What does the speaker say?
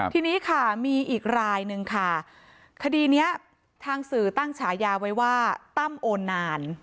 ทีนี้ค่ะมีอีกรายนึงค่ะคดีนี้ทางสื่อตั้งฉายาไว้ว่าตั้มโอนาน